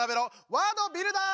「ワードビルダー！」。